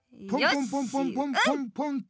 ポンポンポンポンポンポンと。